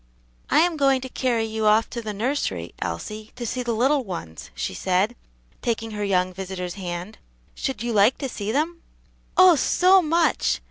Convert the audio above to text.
"I am going to carry you off to the nursery, Elsie, to see the little ones," she said, taking her young visitor's hand; "should you like to see them?" "Oh, so much!"